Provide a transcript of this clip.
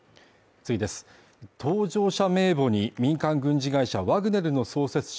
搭乗者名簿に民間軍事会社ワグネルの創設者